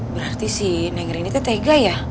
berarti si neng rini tuh tega ya